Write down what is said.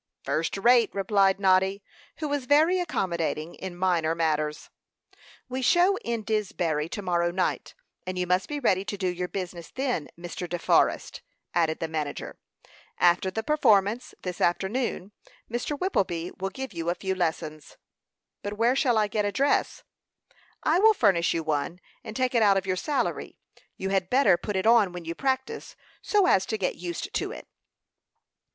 "First rate," replied Noddy, who was very accommodating in minor matters. "We show in Disbury to morrow night, and you must be ready to do your business then, Mr. De Forrest," added the manager. "After the performance this afternoon Mr. Whippleby will give you a few lessons." "But where shall I get a dress?" "I will furnish you one, and take it out of your salary. You had better put it on when you practice, so as to get used to it."